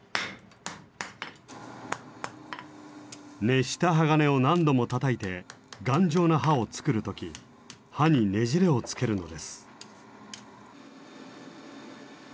熱した鋼を何度もたたいて頑丈な刃を作る時刃にねじれをつけるのです。